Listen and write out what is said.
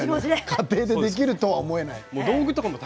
簡単にできるとは思えない。